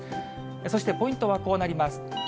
そしてポイントはこうなります。